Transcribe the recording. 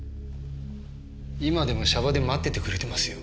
今でもシャバで待っててくれてますよ。